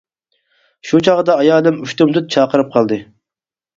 شۇ چاغدا ئايالىم ئۇشتۇمتۇت چاقىرىپ قالدى.